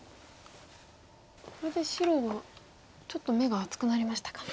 これで白はちょっと眼が厚くなりましたか。